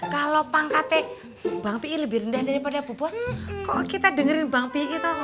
kalau pangkatnya bang pii lebih rendah daripada bu bos kok kita dengerin bang pii toh